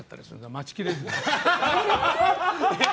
待ちきれず。